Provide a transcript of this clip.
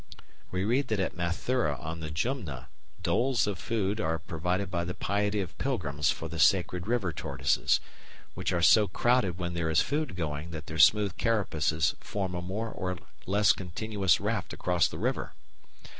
We read that at Mathura on the Jumna doles of food are provided by the piety of pilgrims for the sacred river tortoises, which are so crowded when there is food going that their smooth carapaces form a more or less continuous raft across the river.